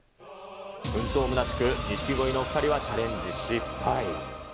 奮闘むなしく、錦鯉のお２人はチャレンジ失敗。